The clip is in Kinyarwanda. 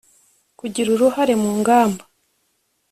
kugira uruhare mu ngamba